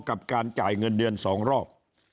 กับการจ่ายเงินเดือน๒รอบ